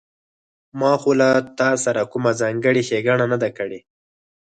ما خو له تاسره کومه ځانګړې ښېګڼه نه ده کړې